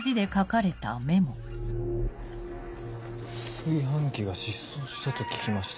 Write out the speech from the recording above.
「炊飯器が失踪したと聞きました。